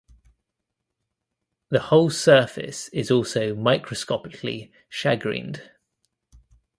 The whole surface is also microscopically shagreened.